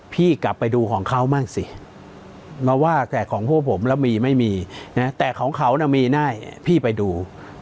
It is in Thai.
พี่กลับไปดูของเขาบ้างสิมาว่าแต่ของพวกผมแล้วมีไม่มีนะแต่ของเขาน่ะมีได้พี่ไปดู